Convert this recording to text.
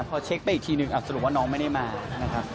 พอเช็คไปอีกทีหนึ่งสรุปว่าน้องไม่ได้มานะครับ